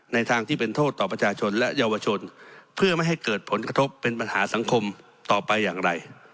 ทางที่เป็นโทษต่อประชาชนและเยาวชนเพื่อไม่ให้เกิดผลกระทบเป็นปัญหาสังคมต่อไปอย่างไร